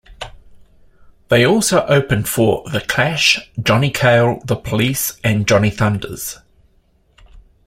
They also opened for The Clash, John Cale, The Police and Johnny Thunders.